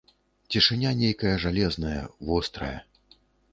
Цішыня нейкая жалезная, вострая.